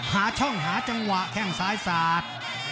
หาช่องหาจังหวะแข้งซ้ายสาด